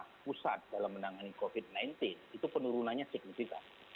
pemerintah pusat dalam menangani covid sembilan belas itu penurunannya signifikan